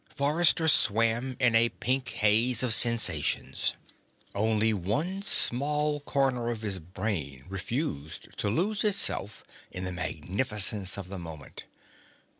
Forrester swam in a pink haze of sensations. Only one small corner of his brain refused to lose itself in the magnificence of the moment.